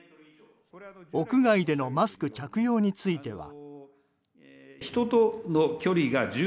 屋外でのマスク着用については。